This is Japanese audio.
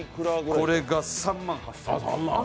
これが３万８０００円。